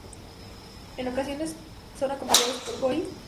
En ocasiones son acompañados por Cory McCulloch.